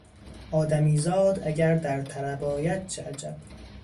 آدمیزاد اگر در طرب آید چه عجب...